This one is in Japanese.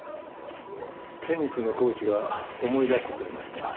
テニスのコーチが思い出してくれました。